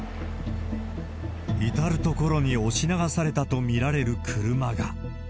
至る所に押し流されたと見られる車が。